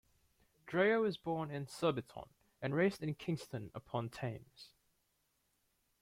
Dreja was born in Surbiton, and raised in Kingston upon Thames.